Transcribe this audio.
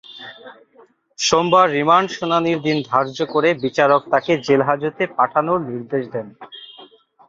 সোমবার রিমান্ড শুনানির দিন ধার্য করে বিচারক তাঁকে জেলহাজতে পাঠানোর নির্দেশ দেন।